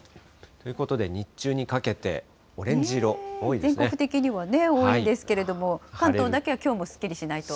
ということで日中にかけてオレン全国的には多いですけれども、関東だけはきょうもすっきりしないと。